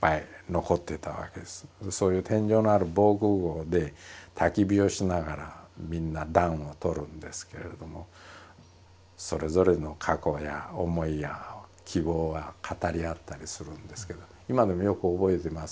そういう天井のある防空ごうでたき火をしながらみんな暖をとるんですけれどもそれぞれの過去や思いや希望語り合ったりするんですけど今でもよく覚えてます。